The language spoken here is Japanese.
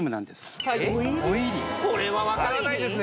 おいりこれはわからないですね